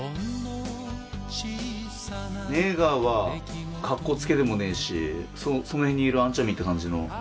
ネイガーはかっこつけでもねえしその辺にいる兄ちゃんみてえな感じの。